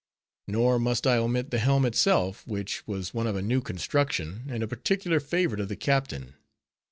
Nor must I omit the helm itself, which was one of a new construction, and a particular favorite of the captain.